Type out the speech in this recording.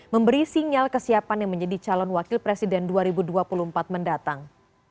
memberi sinyal kesiapan yang menjadi calon wakil presiden dua ribu dua puluh empat mendatang